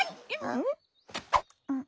ん？